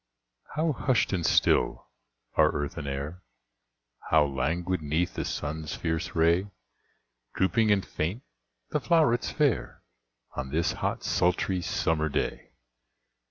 How hushed and still are earth and air, How languid 'neath the sun's fierce ray Drooping and faint the flowrets fair, On this hot, sultry, summer day!